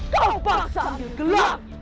kau paksa ambil gelap